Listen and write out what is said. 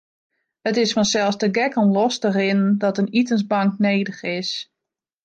It is fansels te gek om los te rinnen dat in itensbank nedich is.